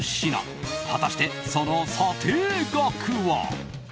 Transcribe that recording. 果たして、その査定額は？